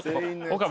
岡部